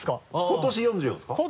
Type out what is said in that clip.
今年４４ですか？